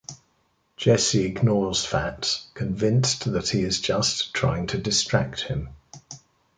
Jesse ignores Fats, convinced that he is just trying to distract him.